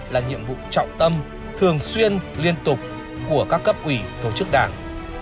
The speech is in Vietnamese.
là nhiệm vụ trọng tâm thường xuyên liên tục của các cấp ủy tổ chức đảng